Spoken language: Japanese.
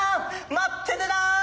待っててな！